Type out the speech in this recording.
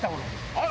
あら！